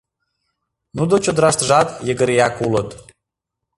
Нуно чодыраштыжат йыгыреак улыт...